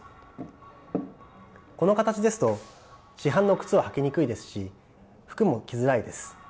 この形ですと市販の靴は履きにくいですし服も着づらいです。